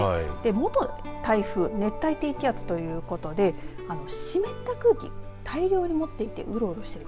元台風、熱帯低気圧ということで湿った空気、大量に持っていてうろうろしている。